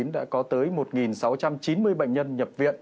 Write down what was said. đã có tới một sáu trăm chín mươi bệnh nhân nhập viện